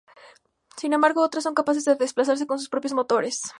Sin embargo otras son capaces de desplazarse con sus propios motores.